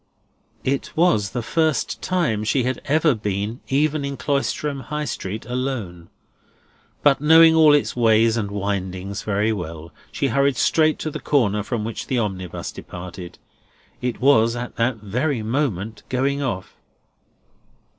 It was the first time she had ever been even in Cloisterham High Street alone. But knowing all its ways and windings very well, she hurried straight to the corner from which the omnibus departed. It was, at that very moment, going off.